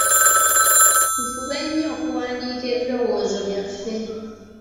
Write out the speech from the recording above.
Tufube nnyo okuwandiika ebirowoozo byaffe.